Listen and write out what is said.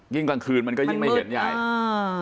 ยิ่งกลางคืนมันก็ยิ่งไม่เห็นใหญ่มันมืด